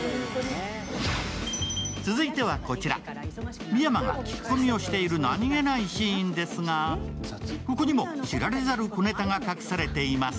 続いてはこちら、深山が聞き込みをしている何気ないシーンですが、ここにも知られざる小ネタが隠されています。